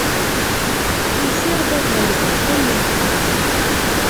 Usiɣ-d ad ḍelbeɣ tallelt-im.